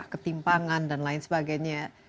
ketimpangan dan lain sebagainya